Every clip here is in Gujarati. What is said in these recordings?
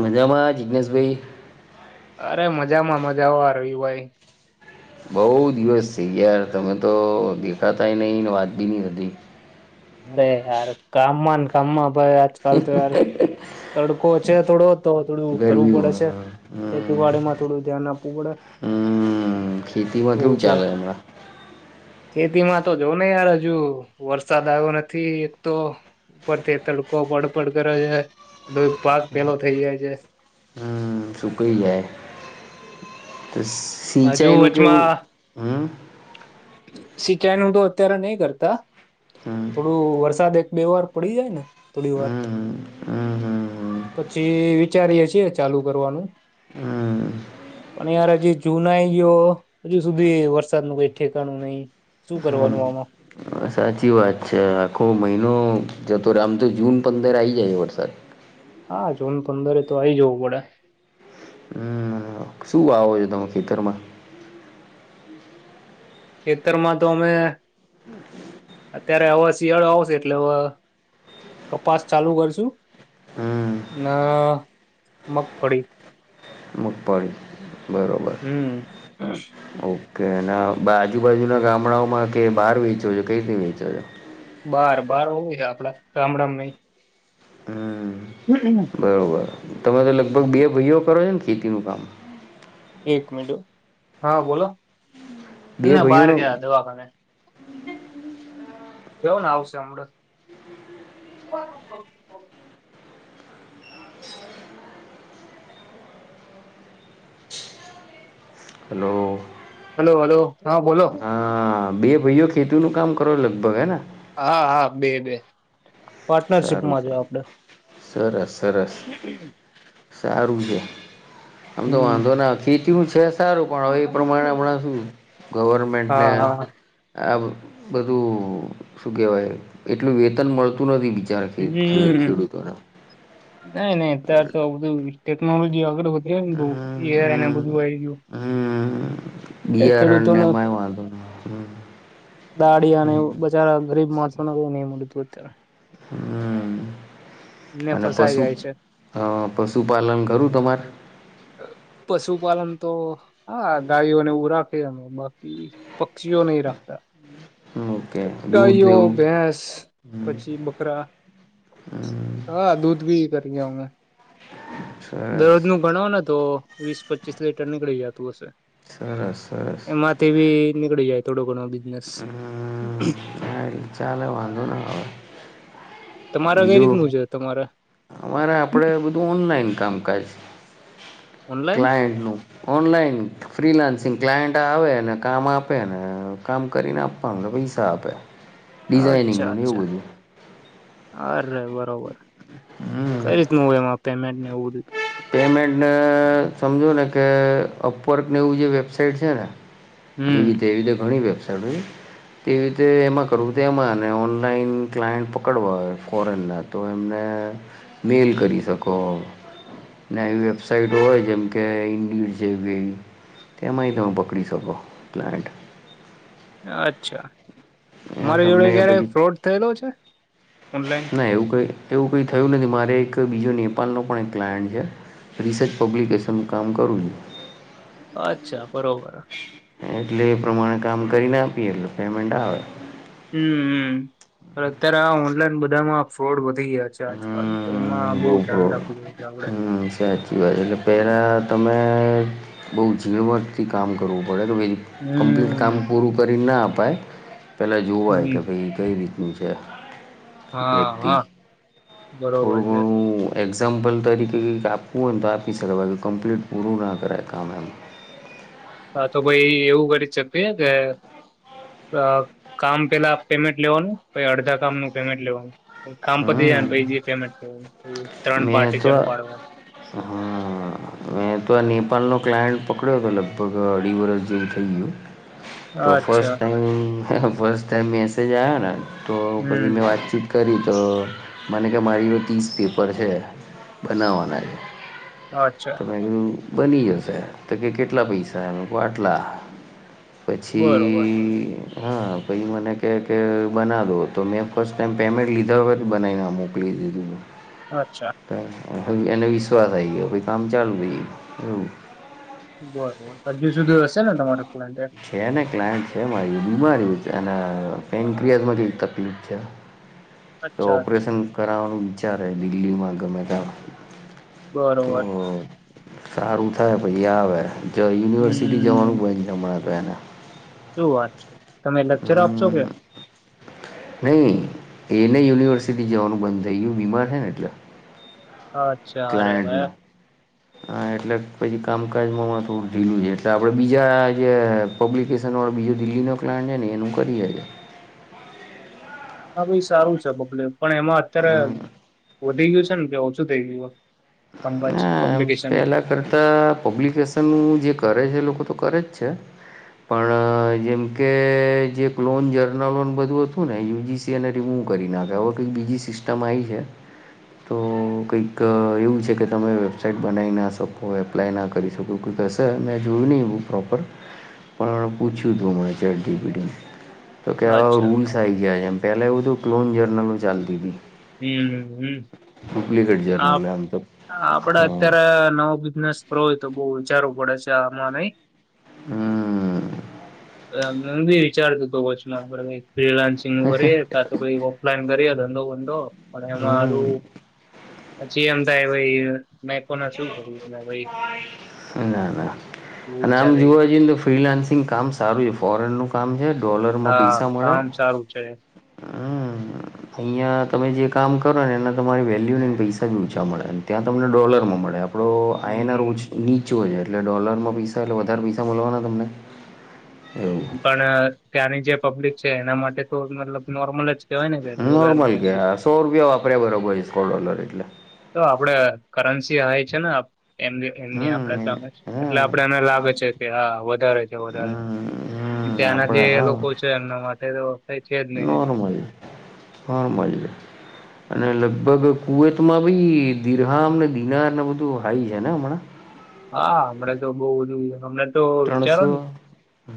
મજામાં જિગનેશભાઈ અરે મજામાં મજા અ રવિભાઈ બહુ દિવસ થઈ ગયા તમે તો. છતા એનીને વાત નહીં વધી. અરે યાર, કામમાં ને કામમાં. ભાઈ, આજકાલ તો યાર તડકો છે થોડો. તો થોડું કરવું ગરમી પડે હોય. છે હમ. ખેતીવાડીમાં, થોડું ધ્યાન આપવું પડે હમ. ખેતીમાં એવું કેવું છે. ચાલે હમણાં ખેતી માં તો જો ને યાર, હજુ વરસાદ તો નથી, એક તો ઉપરથી તડકો પડપડ કરે છે, તો પાક પેલો થઈ જાય છે. હા, સુકાઈ જાય. તો હજુ સિંચાઈનું કેવું વચમાં હ? સિંચાઈ નું તો અત્યારે નહીં કરતા. હમ થોડું વરસાદ એક. બે વાર પડી જાય ને થોડી વાર હમ હમ પછી વિચારીએ છીએ ચાલુ કરવાનું, હમ હમ પણ યાર હજી. ચુનાઈ ગયો, હજુ સુધી વરસાદ નું, કંઈ ઠેકાણું નહીં, શું હમ કરવાનું આમાં? સાચી વાત છે, આખો મહિનો જતો રહ્યો. આમ તો જૂન પંદરેક આવી જાય વરસાદ. હા, જૂન પંદરે તો આઈ જવું પડે. હમ શું વાવો છો તમે ખેતરમાં? ખેતરમાં તો અમે અત્યારે હવા, શિયાળો આવશે એટલે કપાસ ચાલુ કરશું, હમ ના મગફળી. મગફળી બરોબર હમ. [inaudible] હા, આજુબાજુના ગામડાઓમાં કે બહાર વેચો છે, કંઈ રીતે વેચો છો? બહાર-બહાર હોવું છે આપડા ગામડામાં. હમ નહી બરોબર. તમે તો લગભગ બે ભાઈઓ કરો છો ને ખેતીનું કામ? એક મિનટ, હા, બોલો. બે ના બહાર ભાઈઓનું ગયા દવાખાને. કોણ આવશે હમણે? હલો હલો, હલો, હા, બોલો. ખેતી નું કામ કરો, લગભગ હે ને? હા હા બે બે સારું પાર્ટનરશીપમાં જો સારું આપડે સરસ. સરસ. સારું છે. આમ તો હમ વાંધો નથી. કેવું છે? સારું પણ હવે એ પ્રમાણે હમણાં શું હા ગવર્મેન્ટને હા આ બધું શું કહેવાય? એટલું વેતન મળતું નથી બીજું ખેત ખેત ખેડૂતોને નય નય તાર તો બધું ટેકનોલોજી આગળ વધ [unintelligible] હમ એયાર એને હમ બધું આવી ગયું. હમ એ ખેડૂતો બિયારણને ને એમાંય વાંધો ન દાળીયા અને બજાર ગરીબ માણસોને નહીં મળ્યુંતું અત્યારે હમમ ને અને ફસાઈ પશુ જાય છે હા પશુપાલન કરું. બમર પશુપાલન તો હા ગાયોને એવું રાખયે અમે બાકી પક્ષીઓ નય રાખતા. ઓકે દૂધ ને ગાયઓ, એવું ભેંસ પછી બકરા હમ હા દૂધ ભી કરયે અમે [inaudible] દરરોજ નું ગણો ને તો વીસ પચીસ લીટર નીકળી જતું હશે. સરસ સરસ એમાંથી બી નીકળી જાય. થોડું ઘણુ ચાલે વાંધો ના આવે. તમારે કઈ બીજું રીતનું છે તમારે? અમારે આપડે બધું ઓનલાઈન કામકાજ ઓનલાઈન ક્લાયન્ટ નું ઓનલાઈન ફ્રીલાન્સિંગ ક્લાયન્ટ આવે અને કામ આપે ને કામ કરીને આપવાનું એટલે પૈસા આપે. ડિઝાઇનિંગનું એવું બધું. હા એટલે બરોબર. હમ્મ. કઈ રીતનું હોય એમાં પેમેન્ટ ને એવું બધું? પેમેન્ટને સમજો ને કે અપવર્કને એવું જે વેબસાાઈટ છે ને જેવી હમ રીતે એવી રીતે ઘણી વેબસાઈટ તેવી રીતે એમાં કરવું તે એમાં અને ઓનલાઈન ક્લાયન્ટ પકડવા હોય ફોરેનના, તો એમને મેલ કરી શકો. ને આવી વેબસાઈટ હોય જેમ કે [unintelligible] તેમાંય તમે પકડી શકો ક્લાયન્ટ. અચ્છા. ત્યાં મારી જોડે તમને ક્યારેય પછી ફ્રોડ થયેલો છે? ઓનલાઈન ના એવું કઈ એવું કંઈ થયું નથી. મારે એક બીજો નેપાળનો પણ એક ક્લાયન્ટ છે, રિસર્ચ પબ્લિકેશનનું કામ કરું છું. અચ્છા. બરોબર. એટલે એ પ્રમાણે કામ કરીને આપીએ એટલે પેમેન્ટ આવે. હમ્મ-હમ્મ. પણઅત્યારે આવા ઓનલાઈન બધામાં ફ્રોડ વધ હમ્મ. રાખવું પડે છે [unintelligible] આપડે હમ્મ સાચી વાત. એટલે પેલા તમે બોઉ જીળવટર્થી કામ કરવું પડે ને વળી કમ્પ્લીટ કામ હમ પૂરું કરીન ના આપ પાય પહેલાં જોવાય કે હમ ભઈ કઈ રીતનું છે? હા, વ્યક્તિ હા. બરોબર થોડું છે ઘણું એક્ એક્ઝામ્પલ તરીકે કેક આપવું હોય ને તો આપી શકે બાકી કમ્પ્લીટ પૂરું ના કરાય કામ એમ. હા તો ભાઈ એવું કરી શકે કે અહ કામ પેલા પેમેન્ટ લેવાનું, પહી અડધા કામનું પેમેન્ટ લેવાનું. પછી કામ પતી જાય હમ્મ, ને પહી જે પેમેન્ટ લેવાનું એવું ત્રણ મેં તો, પાર્ટીશન પાડવાનું. હા, મેં તો ઈ પન લોક ક્લાયન્ટ પકડ્યો હતો લગભગ અઢી વરષ જેવું થઈ ગયું. તો ફર્સ્ટ અચ્છા ટાઈમ એનો ફર્સ્ટ ટાઈમ મેસેજ આયોન હા. તો પછી મેં હમ વાતચીત કરી તો મને કે મારી જોડે તીસ પેપર છે, બનાવવાના છે. અચ્છા તો મેં કીધુ બની જશે તો કે કેટલા પૈસા એમ મેં ક્યું આટલા. બરોબર પછી હા પછી મને કહે કે બના દો તો મેં ફર્સ્ટ ટાઈમ પેમેન્ટ લીધા વગર બનાવીને મોકલી દીધું અચ્છા. એને વિશ્વાસ આ ગયો કામ ચાલુ વે એવું બરોબર હજી સુધી હશે ને તમારા છે ને ક્લાયન્ટ છે મારી [unintelligible] બીમારી અને પેઇન ક્રિયર્સમાં કંઈક તકલીફ છે. તો અચ્છા અચ્છા ઓપરેશન કરાવવાનું વિચારે દિલ્હીમાં ગમે ત્યાં તો બરોબર સારું થાય પાઈ આવે યુનિવર્સિટી જવાનું હમ બંધ છે હમણાં બેના [unintelligible] શું વાત છે. તમે લેક્ચર આપશો કે નહી એને યુનિવર્સિટી જવાનું બંધ થય ગયું બીમાર છે ને એટલે અચ્છા અરે રે ક્લાયન્ટને હા એટલે પછી કામકાજમાંમાં થોડું ઢીલું છે એટલે આપણે બીજા જે પબ્લિકેશન વાળો બીજો દિલ્હીનો પ્લાન્ટ છે ને એનું કરીએએ હા ભાઈ સારું છે બકલે પણ એમાં અત્યારે હમ વધી ગયું છે ને કે ઓછું થઈ ગયું હો હ પેલા કરતા પબ્લિકેશન નું જે કરે છે લોકો તો કરે જ છે પણ જેમકે જે એક લોન જર્ન લોન બધું હતું ને યુજીસી એને રીમૂવ કરી નાખે હવે કંઈક બીજી સિસ્ટમ આવી છે તો કંઈક એવું છે કે તમે વેબસાાઈટ બનાવી ના શકો એપ્લાય ના કરી શકો કઈ કે હશે મેં જોયું નહીં એવું પ્રોપર પણ પૂછ્યું હતું મળે છેડીપીડી તો કે્યાવા અચ્છા રૂલ્સ આવી ગયા એમ પહેલાં એવુંધું ક્લોન જર્નલો ચાલતી હતી. હમ હમ ડુપ્લિકેટ આપ જર્નલ એમ તો આપડે હા અત્યારે નવો બિઝનેસ રોહિ તો બહુ વિચારું પડે છે આમાં નહી હમ એ હ બી વિચારતું તોચમાં બરા ફ્રીલાન્સિંગ કરીય ત તો કઈ ઓફલાઇન કરીય બોર અંધો પણ એમાં હમ મારું પછી એમ થાય ભઈ. ના ના અને ઊંચા આમ થઈ જોવા જઈએને તો ફ્રીલાન્સિંગ કામ સારું છે ફોરેન નું. કામ છેે હા કામ સારું છે. અહિયાં તમે જે કામ કરો ને એના તમારી વેલ્યુ ને પૈસાીઊંચા મળે ત્યાં તમને ડોલર માં મળે આપડો આના હમ રોજ નીચે હજાર. એટલે ડોલરમાં પૈસા એટલે વધારે પૈસા મળવાના તમને. એવું પણ. ત્યાંની જે પબ્લિક છે એના માટે તો મતલબ નોર્મલ જ. કેહેવાય ને કે નોર્મલ ડોલરની ગ બધું સો રૂપિયા વાપરે બરો બીન ડોલર લાગે. એટલે. તો આપડે કરન્સી હોય છે ને એમની એમની આપણે હમ સમ એટલે હમ આપડે એને લાગે છે કે હા વધારે છે વધારે, હમ ત્યાંના જે આપડે હા લોકો છે એમના મા એ તો. કઈ છે જ નહી નોર્મલ નોર્મલ અને લગ ભગ કુવૈતમાં બી દિરહામ ને દિનારને બધું હાઈ છે ને હમણાં. હા હમણાં તો બઉ બધું તો વિચારો ત્રણસો ને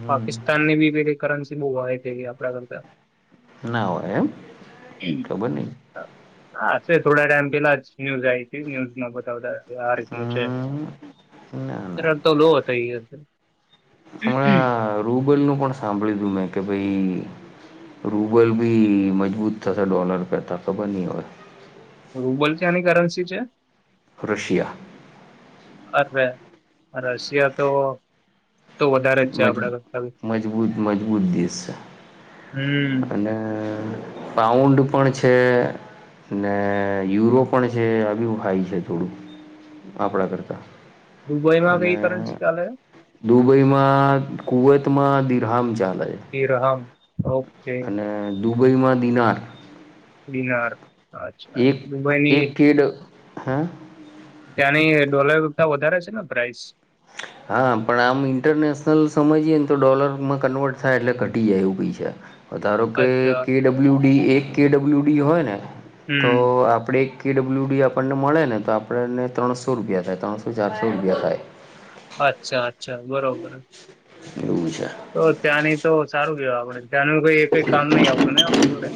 હમ પાકિસ્તાનની બી પેલી કરન્સ બઉ હાઈ થઈ ગઈ આપડા કરતા. ના હોય એમ ખબર નઈ. હા હશે થોડા ટાઈમ પેલા જ ન્યૂઝ આઈતી ન્યુઝમાં બતાવતાતા. આ રીતનું છે. હમ ના ના પરંતુ લો થઈ ગયા. [inaudible] હમણાં રૂબલ નું પણ સાંભળયુ તું મેં કે ભઈ. રૂબલ બી મજબૂત થશે ડોલર કરતા ખબર નઈ હવે. રૂબલ ક્યાંની કરન્સી છે, રશિયા અરે. રશિયા તો. તો વધારે જ છે મજ આપડા કરતા બી મજબૂત- મજબૂત દેશ છે હમ અને પાઉન્ડ પણ છે ને યુરો પણ છે, આ બી હાઈ છે થોડું આપડા કરતા. દુબઈમાં અને કઈ કરન્સી ચાલે દુબઈમ કુવત માં દિરહામ ચાલ ધીરહમ. ઓકે અને દુબઈમાં દિનાર બિનાર એક એક કેડ હ ત્યાંની ડોલરતા વધારે હશેને પ્રાઇસ હા પણ આમ ઇન્ટરનેશનલ સમજીએ ન તો ડોલર માં કન્વર્ટ થાય એટલે ઘટી જાય એવું પૈસા ધારો કે અચ્છા કેડબલ્યુડી એ કે ડબલ્યુ ડી હોય ને તો હમ આપડે કે ડબલ્યુ ડી આપણને મળે ને તો આપણને ત્રણસો રૂપિયા થાય ત્રણસો ચારસો રૂપિયા થાય અચ્છા અચ્છા બરોબર એવું છે. તો ત્યાંની તો સારું કેવા આપડે ત્યાંનું કોઈ એકય કામ નઈ આવતું નઈ આપડી જોડે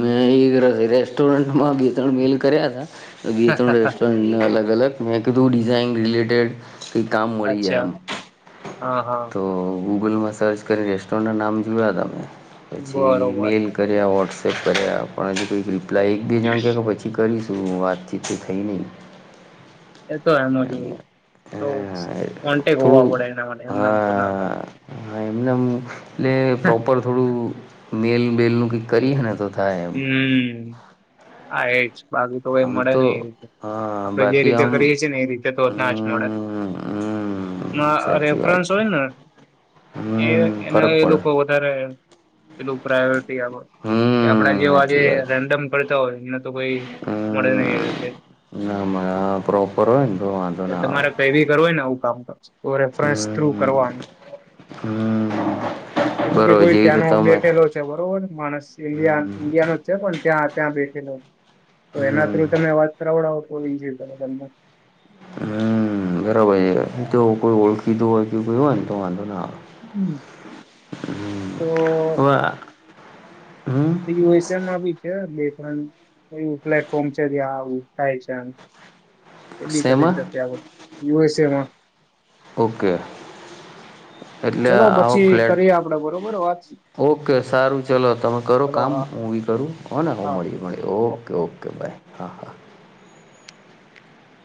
મેં એ રેસ્ટોરન્ટમાં ગીતણ મીલ કર્યા હતા અ ત રેસ્ટોરન્ટ અલગ અલગ મે કીતું ડિઝઇન રિલેટેડ તેેળ કઈ કામ મળી જાય અચ્છા એમ હા હા તો ગૂગલમાં સર્ચ કરી રેસ્ટોરન્ટના નામ જોયા તમે પછી બરોબર મેલ કર્યા વોટ્સપ તેપ કયૉ પણ હજુ પ્લા એક બીજાંકેે કે પછી કરીશ તું વાતથી તે થઈ નહીં એ તો એમ જોય એટલે તો હા કોન્ટેક હોવા થોડું પડે એના મ એમ નામ તો ના બને હ એમદમ એટલે પ્રોપર થોડું મેલ બેલ નું કઈ કરી હે ને તો થાય એમ હમ એ જ બાકી તો કઈ મળે ને એ રીતે હા આપણે જે બાકી રીતે આમ કરીએ છીએ ને એ રીતે તો ના જ મળે હમ હમ સાચી વાત રેફરન્સ છે હોય ને હમ એના ફરક એ પડે લોકો વધારે એલું પ્રાઈવેટ તે આવ કે આપડા હમ જે આજે સાચી વાત છે. રેન્ડમ કરતા હોય એને તો કોઈ મળે હમ નહી ના મળે પ્રોપર હોય ને તો વાંધો ના આવે તમારે કઈ બી કરવુંય ને આવું કામ તો તો રેફરન્સ થ્રુ હમ કરવાનું હમ એમું કે બરોબર કોઈ જેવી તો ત્યાંનો તમે બેઠેલો છે બરોબરને માણસ ઇન્ડિયા હમ ઇન્ડિયા નોજ છે પણ ત્યાં ત્યાં બેઠેલો છે. તો એના હમ થ્રુ તમે વાત કરાવડાવ ન જંદ તમને હમ બરાબર છે તો કોઈ ઓળખીધું હોય હોયને તો વાંધો ના તો આવે હમમ [inaudible] યુએસએન આવી છે બે એવું પ્લેટફોર્મ છે ત્યાં આવું થાય છે એમ એ બ શેમાં કદી યુએસએમાં ઓકે એટલે ચલો આવો પછી ફ્લેટ કરીએ આપડે બરોબર વાત ઓકે સારું ચલો તમે કરો ચલો કામ હા હું બી કરું ઓને હ હા મળી મળી ઓકે ઓકે બાય હા હા